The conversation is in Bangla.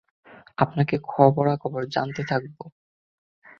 আপনাকে খবরাখবর জানাতে থাকব।